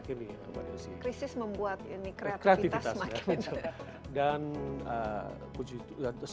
krisis membuat kreatifitas makin banyak